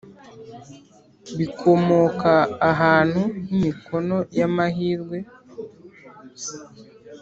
bikomoka ahantu h imikino y amahirwe